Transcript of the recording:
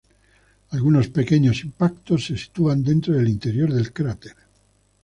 Algunos pequeños impactos se sitúan dentro del interior del cráter.